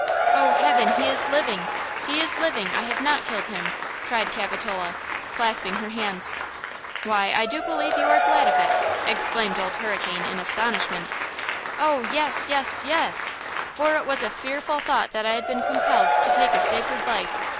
"Oh, heaven! He is living! He is living! I have not killed him!" cried Capitola, clasping her hands. "Why, I do believe you are glad of it!" exclaimed Old Hurricane, in astonishment. "Oh, yes, yes, yes! For it was a fearful thought that I had been compelled to take a sacred life!